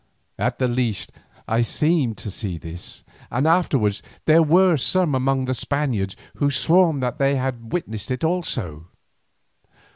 At the least I seemed to see this, and afterwards there were some among the Spaniards who swore that they had witnessed it also.